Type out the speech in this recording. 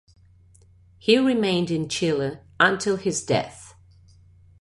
He remained in Chile until his death.